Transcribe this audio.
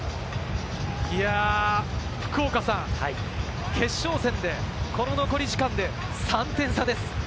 福岡さん、決勝戦で、この残り時間で３点差です。